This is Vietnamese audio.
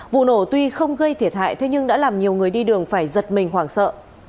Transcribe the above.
vụ nổ tuy không gây thiệt hại thế nhưng đã làm nhiều người đi đường phải giật mình hoảng sợ